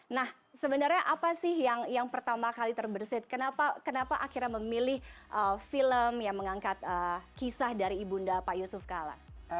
nah sebenarnya apa sih yang pertama kali terbersih kenapa akhirnya memilih film yang mengangkat kisah dari ibu nda pak yusuf kala